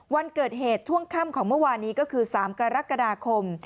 วันเกิดเหตุช่วงค่ำของเมื่อวานนี้ก็คือ๓กรกฎาคม